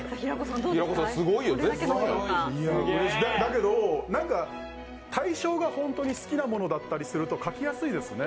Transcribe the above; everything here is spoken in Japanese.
いや、だけど対象が好きなものだったりすると書きやすいですね。